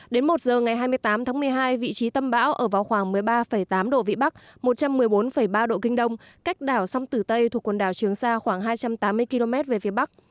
đến một giờ ngày hai mươi tám tháng một mươi hai vị trí tâm bão ở vào khoảng một mươi ba tám độ vĩ bắc một trăm một mươi bốn ba độ kinh đông cách đảo song tử tây thuộc quần đảo trường sa khoảng hai trăm tám mươi km về phía bắc